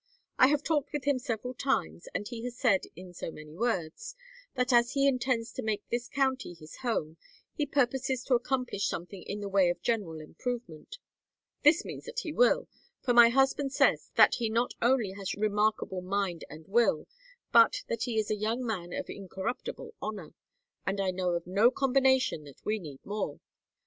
I have talked with him several times, and he has said, in so many words, that as he intends to make this county his home he purposes to accomplish something in the way of general improvement. This means that he will, for my husband says that he not only has remarkable mind and will, but that he is a young man of incorruptible honor and I know of no combination that we need more.